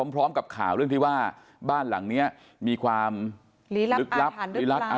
พร้อมกับข่าวเรื่องที่ว่าบ้านหลังนี้มีความลึกลับอาถารณ์หรือเปล่า